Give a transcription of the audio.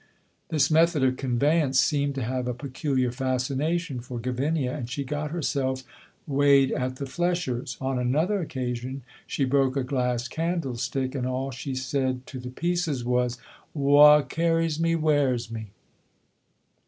This method of conveyance seemed to have a peculiar fascination for Gavinia, and she got herself weighed at the flesher's. On another occasion she broke a glass candlestick, and all she said to the pieces was, "Wha carries me, wears me."